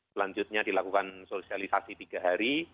selanjutnya dilakukan sosialisasi tiga hari